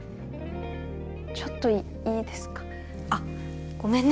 ちょっといいですかあっごめんね